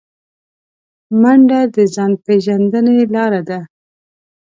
منډه د ځان پیژندنې لاره ده